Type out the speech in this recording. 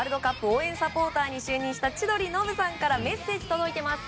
応援サポーターに就任した千鳥・ノブさんからメッセージが届いています。